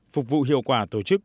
phục vụ hiệu quả tổ chức